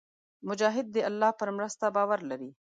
مجاهد د الله پر مرسته باور لري.